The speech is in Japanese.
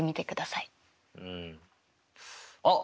あっ！